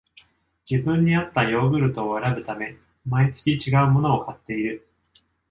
自分にあったヨーグルトを選ぶため、毎月ちがうものを買っている